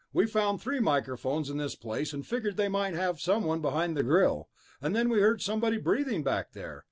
We'd found three microphones in this place, and figured they might have one behind the grill. And then we heard somebody breathing back there